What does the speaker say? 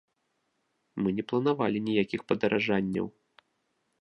Мы не планавалі ніякіх падаражанняў.